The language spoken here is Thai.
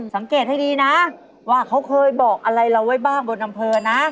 สังเกตให้ดีนะว่าเขาเคยบอกอะไรเราไว้บ้างบนอำเภอนะ